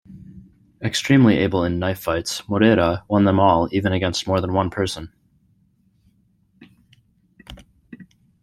Extremely able in knifefights, Moreira won them all, even against more than one person.